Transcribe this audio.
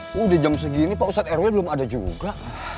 sudah jam segini pak ustadz rw belum ada juga